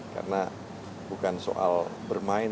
karena bukan soal bermain